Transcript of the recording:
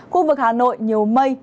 khu vực hà nội nhiều mây